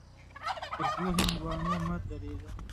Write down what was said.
پر دوو هندوانو مه درېږه.